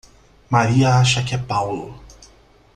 Maria acha que é Paulo.